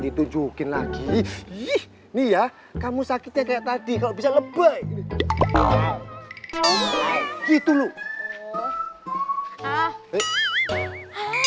di tunjukin lagi nih ya kamu sakitnya kayak tadi kau bisa lebat gitu loh